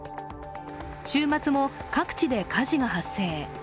週末も各地で火事が発生。